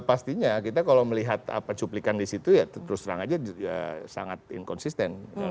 pastinya kita kalau melihat cuplikan di situ ya terus terang aja ya sangat inkonsisten